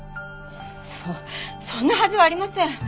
そそんなはずはありません！